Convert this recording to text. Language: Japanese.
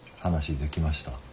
話できました？